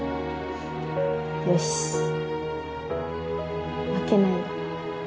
よし負けないわ。